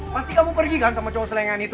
pasti kamu pergi kan sama cowok selengan itu